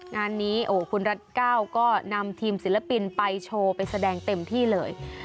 งานนี้คุณรัฐเก้าก็นำทีมศิลปินไปโชว์ไปแสดงเต็มที่เลย